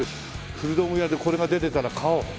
古道具屋でこれが出てたら買おう。